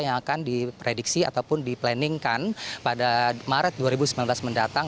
yang akan diprediksi ataupun diplaningkan pada maret dua ribu sembilan belas mendatang